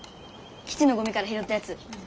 基地のゴミから拾ったやつ。